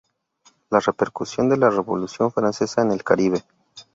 La repercusión de la Revolución Francesa en el Caribe.